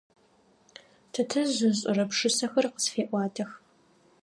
Тэтэжъ ышӏэрэ пшысэхэр къысфеӏуатэх.